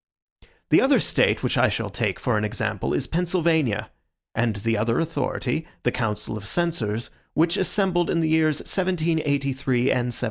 The other State which I shall take for an example is Pennsylvania; and the other authority, the Council of Censors, which assembled in the years 1783 and 1784.